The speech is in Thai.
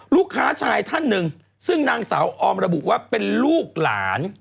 ลูกชายท่านหนึ่งซึ่งนางสาวออมระบุว่าเป็นลูกหลาน